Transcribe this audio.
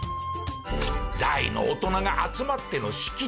大の大人が集まっての式典。